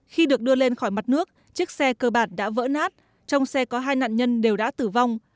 khi được đưa lên khỏi mặt nước chiếc xe cơ bản đã vỡ nát trong xe có hai nạn nhân đều đã tử vong